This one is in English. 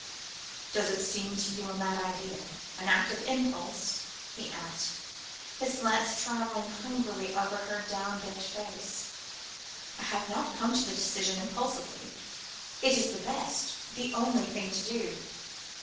"Does it seem to you a mad idea? an act of impulse?" he asked, his glance travelling hungrily over her down bent face. "I have not come to the decision impulsively. It is the best the only thing to do."